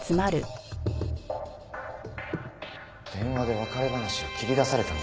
電話で別れ話を切り出されたんです。